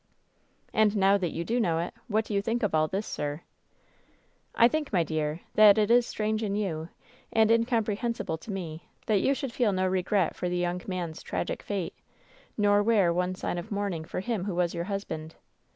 " 'And now that you do know it, what do you think of all this, sir ?'" 'I think, my dear, that it is strange in you, and in comprehensible to me, that you should feel no regret for the young man's tragic fate, nor wear one sign of mourning for him who was your husband.